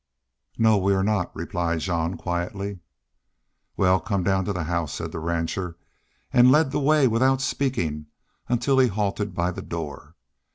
"No, we are not," replied Jean, quietly. "Wal, come down to the house," said the rancher, and led the way without speaking until he halted by the door.